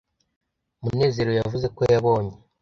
munezero yavuze ko yabonye